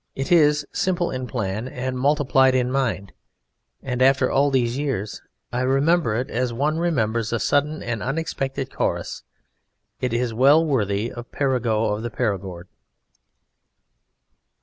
It is simple in plan and multiple in the mind; and after all these years I remember it as one remembers a sudden and unexpected chorus. It is well worthy of Perigeux of the Perigord.